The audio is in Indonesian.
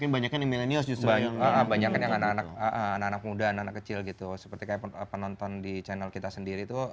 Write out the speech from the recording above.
banyak banyak anak anak muda anak kecil gitu seperti penonton di channel kita sendiri itu